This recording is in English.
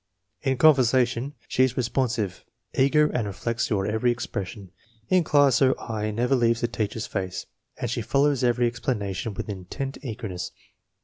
In conversation she is respon sive, eager and reflects your every expression. In class her eye never leaves the teacher's face and she follows every ex planation with intent eagerness.